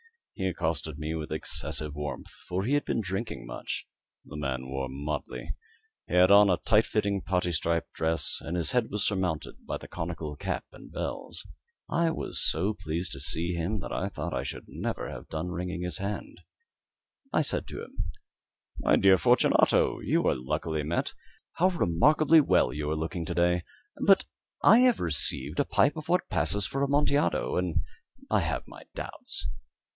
He accosted me with excessive warmth, for he had been drinking much. The man wore motley. He had on a tight fitting parti striped dress, and his head was surmounted by the conical cap and bells. I was so pleased to see him, that I thought I should never have done wringing his hand. I said to him "My dear Fortunato, you are luckily met. How remarkably well you are looking to day! But I have received a pipe of what passes for Amontillado, and I have my doubts."